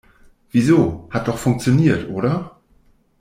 Wieso, hat doch funktioniert, oder?